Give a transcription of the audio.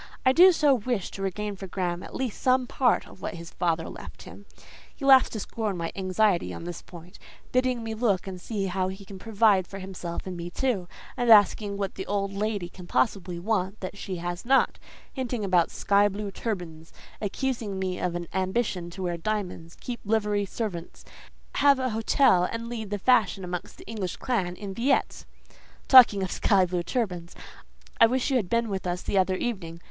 I do so wish to regain for Graham at least some part of what his father left him. He laughs to scorn my anxiety on this point, bidding me look and see how he can provide for himself and me too, and asking what the old lady can possibly want that she has not; hinting about sky blue turbans; accusing me of an ambition to wear diamonds, keep livery servants, have an hotel, and lead the fashion amongst the English clan in Villette. "Talking of sky blue turbans, I wish you had been with us the other evening.